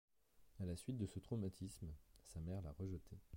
À la suite de ce traumatisme, sa mère l'a rejeté.